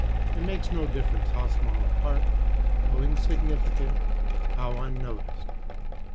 It makes no difference how small a part, how insignificant, how unnoticed.